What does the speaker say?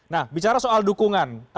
nah bicara soal dukungan